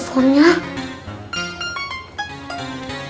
yuk aku angkat aja yuk